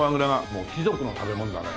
もう貴族の食べ物だね。